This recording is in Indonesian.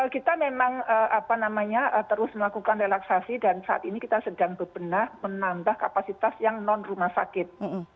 kita memang terus melakukan relaksasi dan saat ini kita sedang bebenah menambah kapasitas yang non rumah sakit